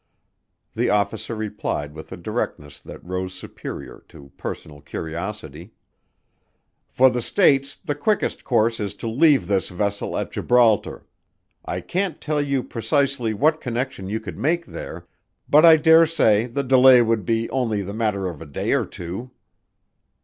The officer replied with a directness that rose superior to personal curiosity. "For the States the quickest course is to leave this vessel at Gibraltar. I can't tell you precisely what connection you could make there but I dare say the delay would be only the matter of a day or two."